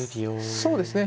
そうですね。